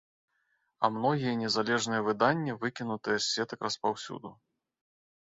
А многія незалежныя выданні выкінутыя з сетак распаўсюду.